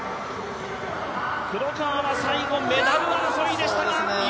黒川は最後メダル争いでしたが４位。